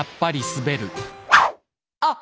あっ。